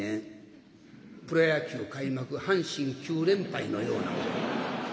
プロ野球開幕阪神９連敗のようなこと。